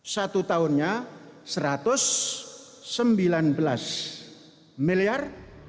satu tahunnya satu ratus sembilan belas miliar